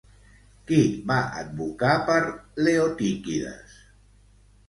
Qui va advocar per Leotíquides?